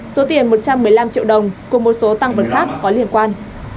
số tiền một trăm một mươi năm triệu đồng cùng một số tăng vật khác có liên quan